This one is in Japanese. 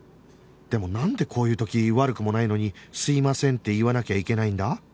でもなんでこういう時悪くもないのに「すいません」って言わなきゃいけないんだ？